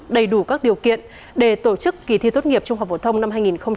đầy đủ các điều kiện để tổ chức kỳ thi tốt nghiệp trung học phổ thông năm hai nghìn hai mươi